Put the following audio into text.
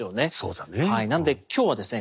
なので今日はですね